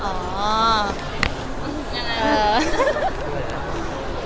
ยังไง